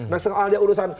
nah soalnya urusan